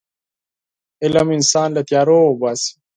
علم انسان له تیارو وباسي.